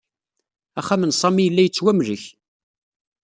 Axxam n Sami yella yettwamlek.